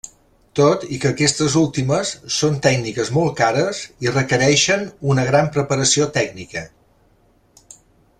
Tot i que aquestes últimes són tècniques molt cares i requereixen una gran preparació tècnica.